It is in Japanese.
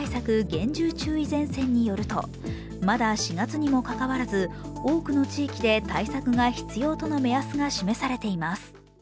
厳重注意前線によるとまだ４月にもかかわらず、多くの地域で対策が必要との目安が示されています。